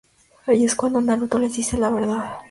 Ahí es cuando Naruto les dice la verdad.